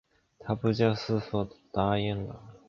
她不假思索地答应了